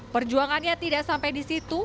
perjuangannya tidak sampai di situ